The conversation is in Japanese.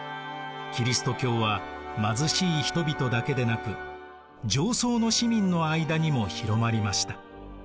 キリスト教は貧しい人々だけでなく上層の市民の間にも広まりました。